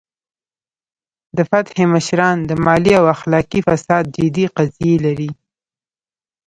د فتح مشران د مالي او اخلاقي فساد جدي قضیې لري.